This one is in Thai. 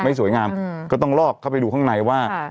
สวยงามก็ต้องลอกเข้าไปดูข้างในว่า